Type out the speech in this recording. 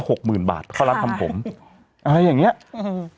หกหมื่นบาทเขารับทำผมอะไรอย่างเงี้ยอืม